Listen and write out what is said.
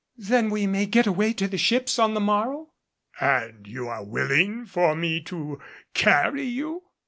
"Then we may get away to the ships on the morrow?" "And you are willing for me to carry you."